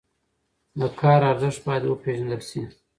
د کار ارزښت باید وپېژندل شي.